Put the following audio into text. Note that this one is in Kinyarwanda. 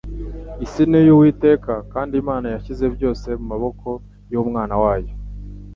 Isi ni iy'Uwiteka, kandi Imana yashyize byose mu maboko y'Umwana wayo.